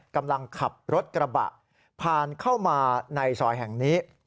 กำลังขับรถกระบะผ่านเข้ามาในซอยแห่งนี้